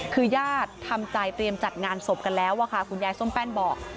คือญาติทำใจเตรียมจัดงานศพกันแล้วค่ะคุณยายส้มแป้นบอก